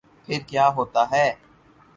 پھر کیا ہوتا ہے۔